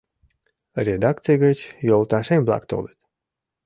Редакций гыч йолташем-влак толыт.